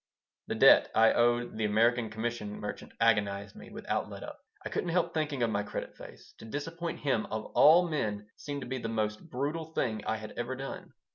The debt I owed the American commission merchant agonized me without let up. I couldn't help thinking of my "credit face." To disappoint him, of all men, seemed to be the most brutal thing I had ever done.